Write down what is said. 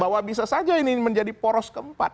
bahwa bisa saja ini menjadi poros keempat